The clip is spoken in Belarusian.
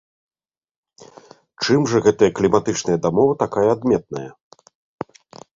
Чым жа гэтая кліматычная дамова такая адметная?